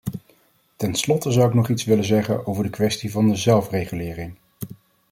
Ten slotte zou ik nog iets willen zeggen over de kwestie van de zelfregulering.